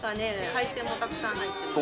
海鮮もたくさん入ってます